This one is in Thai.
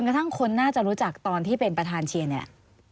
กระทั่งคนน่าจะรู้จักตอนที่เป็นประธานเชียร์เนี่ย